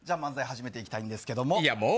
初めて行きたいんですけども。